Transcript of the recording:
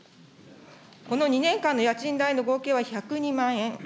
この２年間の家賃代の合計は１０２万円。